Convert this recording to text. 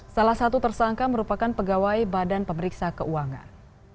salah satu tersangka merupakan pegawai badan pemeriksa keuangan